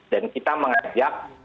dan kita mengajak